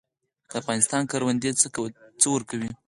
د افغانستان کروندې څه ورکوي؟